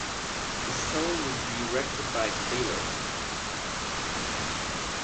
The stone was re-erected by Keiller.